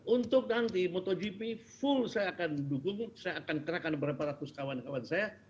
untuk nanti motogp full saya akan dukung saya akan kerahkan berapa ratus kawan kawan saya